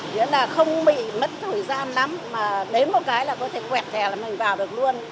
nghĩa là không bị mất thời gian lắm mà đến một cái là có thể quẹt thẻ là mình vào được luôn